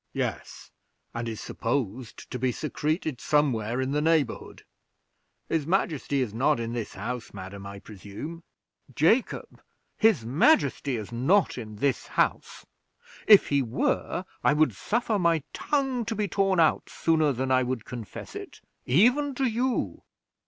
"Yes; and is supposed to be secreted somewhere in this neighborhood. His majesty is not in this house, madam, I presume?" "Jacob, his majesty is not in this house: if he were, I would suffer my tongue to be torn out sooner than I would confess it, even to you."